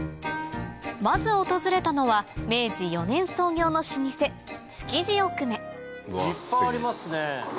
まず訪れたのは明治４年創業の老舗いっぱいありますね。